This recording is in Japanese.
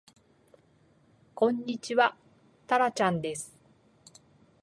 こんにちはたらちゃんです